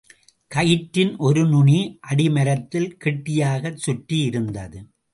கயிற்றின் ஒரு நுனி அடி மரத்திலே கெட்டியாகச் சுற்றி யிருந்தது.